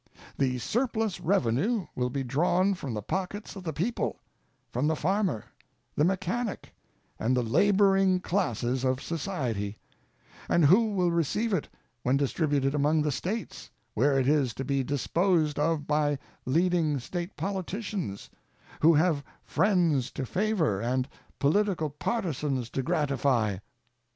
The surplus revenue will be drawn from the pockets of the people from the farmer, the mechanic, and the laboring classes of society; but who will receive it when distributed among the States, where it is to be disposed of by leading State politicians, who have friends to favor and political partisans to gratify